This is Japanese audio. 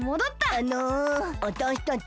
あのわたしたち。